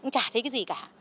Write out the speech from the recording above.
chả thấy cái gì cả